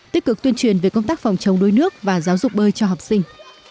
tích cực tuyên truyền về công tác phòng chống đuối nước và giáo dục bơi cho học sinh